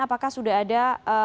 apakah sudah ada